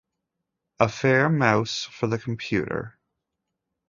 A fair mouse for the computer?